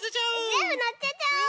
ぜんぶのせちゃおう！